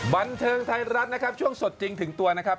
บันเทิงไทยรัฐนะครับช่วงสดจริงถึงตัวนะครับ